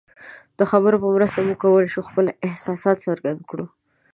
د خبرو په مرسته موږ کولی شو خپل احساسات څرګند کړو.